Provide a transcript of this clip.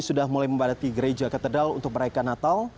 sudah mulai membadati gereja katedral untuk merayakan natal